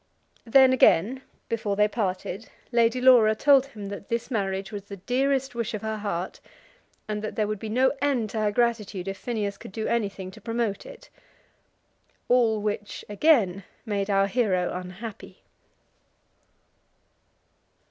Then, again, before they parted, Lady Laura told him that this marriage was the dearest wish of her heart, and that there would be no end to her gratitude if Phineas could do anything to promote it. All which again made our hero unhappy.